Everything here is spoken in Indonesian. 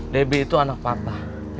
debi itu anak papa